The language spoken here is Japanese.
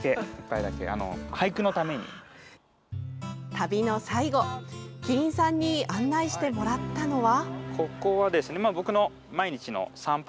旅の最後、麒麟さんに案内してもらったのは。